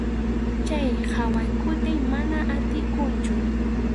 Chay qhawaykuptiy mana atikunchu.